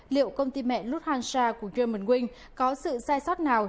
liệu công ty mẹ luthansha của german wing có sự sai sót nào